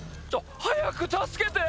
早く助けて！